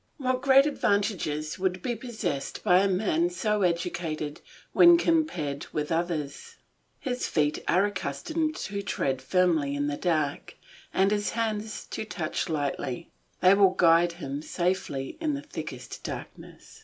What great advantages would be possessed by a man so educated, when compared with others. His feet are accustomed to tread firmly in the dark, and his hands to touch lightly; they will guide him safely in the thickest darkness.